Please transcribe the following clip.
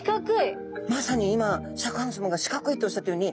まさに今シャーク香音さまが「四角い」っておっしゃったように